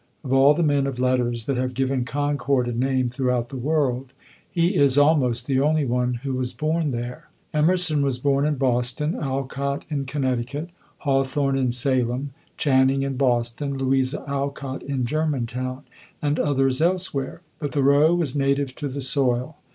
Of all the men of letters that have given Concord a name throughout the world, he is almost the only one who was born there. Emerson was born in Boston, Alcott in Connecticut, Hawthorne in Salem, Channing in Boston, Louisa Alcott in Germantown, and others elsewhere; but Thoreau was native to the soil.